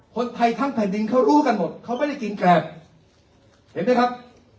คนไทยทั้งแผ่นดินเขารู้กันหมดเขาไม่ได้กินแกรบเห็นไหมครับ